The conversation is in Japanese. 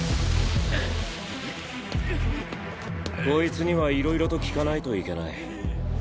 こいつにはいろいろと聞かないといけない。